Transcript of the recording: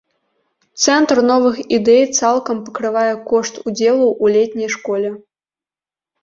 Цэнтр новых ідэй цалкам пакрывае кошт удзелу ў летняй школе.